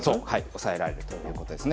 抑えられるということですね。